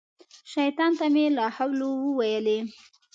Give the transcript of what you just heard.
شیطان ته مې لا حول وویلې.